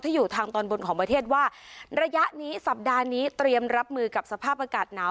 อยู่ทางตอนบนของประเทศว่าระยะนี้สัปดาห์นี้เตรียมรับมือกับสภาพอากาศหนาว